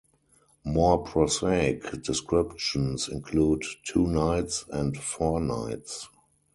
More prosaic descriptions include Two Knights and Four Knights.